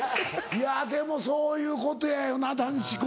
いやでもそういうことやよな男子校。